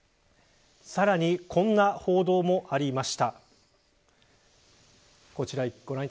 さらにこんな報道もありました。